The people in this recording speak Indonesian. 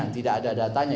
tidak ada datanya